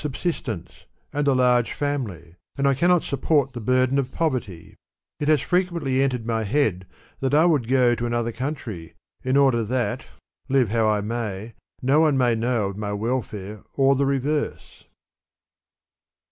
261 subsistence, and a large family, and I cannot support the burden of poverty ; it has frequently entered my head that I would go to another country, in order that, live how I may, no one may know of my welfare or the reverse.